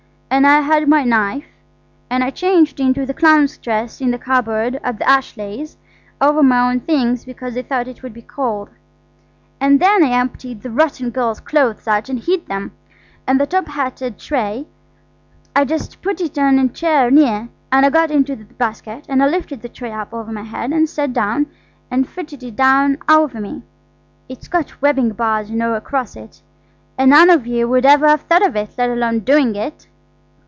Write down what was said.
And I had my knife–and I changed into the clown's dress in the cupboard at the Ashleighs–over my own things because I thought it would be cold. And then I emptied the rotten girl's clothes out and hid them–and the top hatted tray I just put it on a chair near, and I got into the basket, and I lifted the tray up over my head and sat down and fitted it down over me–it's got webbing bars, you know, across it. And none of you would ever have thought of it, let alone doing it."